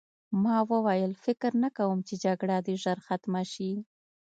ما وویل فکر نه کوم چې جګړه دې ژر ختمه شي